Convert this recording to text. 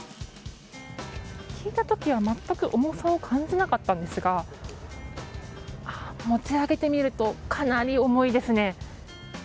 引いた時は全く重さを感じなかったんですが持ち上げてみるとかなり重いですね。